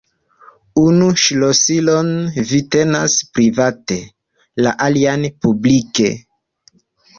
Unu ŝlosilon vi tenas private, la alian publike.